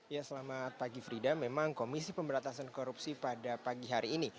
ya selamat pagi frida memang komisi pemberantasan korupsi pada pagi hari ini